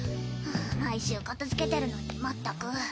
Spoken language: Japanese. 毎週片づけてるのにまったく。